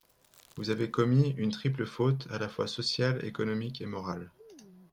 Vous avez commis une triple faute, à la fois sociale, économique, et morale.